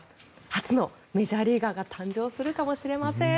初のメジャーリーガーが誕生するかもしれません。